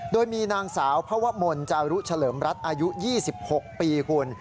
โดยมีนางสาวพระวมลจารุเฉลิมรัฐอายุ๒๖ปีคุณ